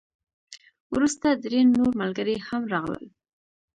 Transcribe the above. وروسته درې نور ملګري هم راغلل.